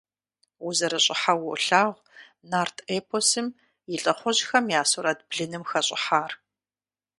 УзэрыщӀыхьэу уолъагъу нарт эпосым и лӀыхъужьхэм я сурэт блыным хэщӀыхьар.